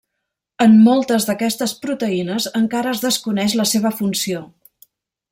En moltes d'aquestes proteïnes encara es desconeix la seva funció.